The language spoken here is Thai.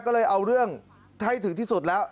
ก็เลยเอาเรื่องให้ถึงที่สุดแล้ว